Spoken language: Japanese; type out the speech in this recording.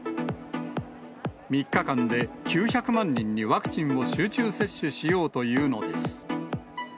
３日間で９００万人にワクチンを集中接種しようというのです。